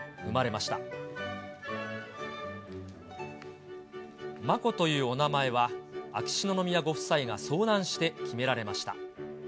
まこというお名前は秋篠宮ご夫妻が相談して決められました。